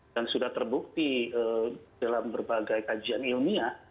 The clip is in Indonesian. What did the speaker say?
dan sudah terbukti dalam berbagai kajian ilmiah